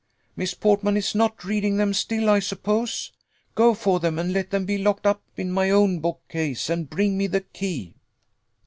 Miss Portman is not reading them still, I suppose? Go for them, and let them be locked up in my own bookcase, and bring me the key."